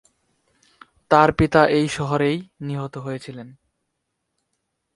তার পিতা এই শহরেই নিহত হয়েছিলেন।